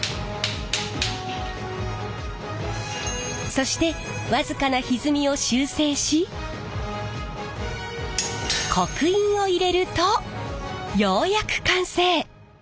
そして僅かなひずみを修正し刻印を入れるとようやく完成。